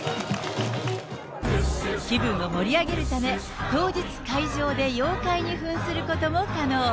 気分を盛り上げるため、当日、会場で妖怪にふんすることも可能。